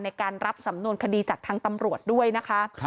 ในการรับสำนวนคดีจากทางตำรวจด้วยนะคะ